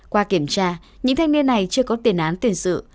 qua kiểm tra những thanh niên này chưa có tiền án tiền sự